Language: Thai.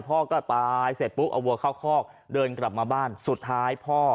พ่อก็ตายเสร็จปุ๊บเอาวัวเข้าคอกเดินกลับมาบ้านสุดท้ายพ่อ